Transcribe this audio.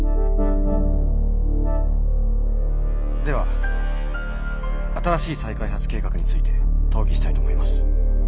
「では新しい再開発計画について討議したいと思います。